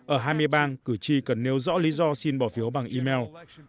ở hai mươi bang cử tri cần nêu rõ lý do xin bỏ phiếu bằng email